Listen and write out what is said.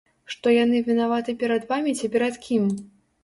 Што яны вінаваты перад вамі ці перад кім!